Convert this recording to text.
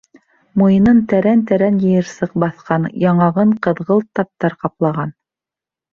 Муйынын тәрән-тәрән йыйырсыҡ баҫҡан, яңағын ҡыҙғылт таптар ҡаплаған.